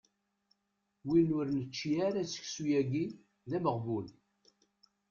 Win ur nečči ara seksu-yagi d ameɣbun.